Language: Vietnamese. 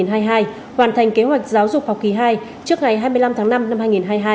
hoàn thành kế hoạch giáo dục học kỳ hai trước ngày hai mươi năm tháng năm năm hai nghìn hai mươi hai